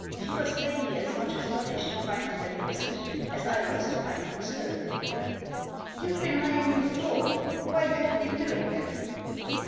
She was plainly as much astonished to find that it was me as I was to find it was her. " You've been lying on the floor. Why have you been doing that